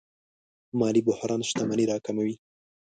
مالي بحران شتمني راکموي.